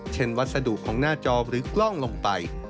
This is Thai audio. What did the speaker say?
วัสดุของหน้าจอหรือกล้องลงไป